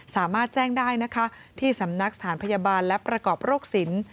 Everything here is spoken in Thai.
สามารถแจ้งได้นะคะที่สำนักสถานพยาบาลและประกอบโรคสิน